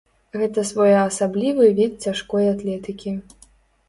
Гэта своеасаблівы від цяжкой атлетыкі.